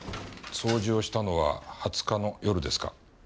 掃除をしたのは２０日の夜ですか？